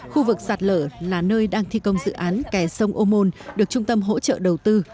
khu vực giặt lở là nơi đang thi công dự án kẻ sông ôn môn được trung tâm hỗ trợ đầu tư